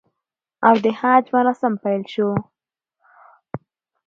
او د حج مراسم پیل شو